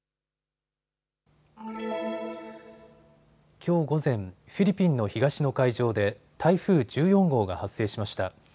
きょう午前、フィリピンの東の海上で台風１４号が発生しました。